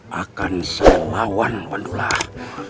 bahkan saya lawan wan dulu lah